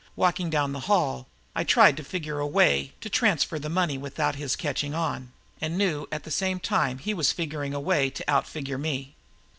Walking down the hall, I tried to figure a way to transfer the money without his catching on and knew at the same time he was figuring a way to outfigure me.